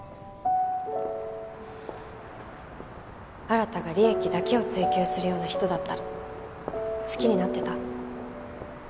新が利益だけを追求するような人だったら好きになってた？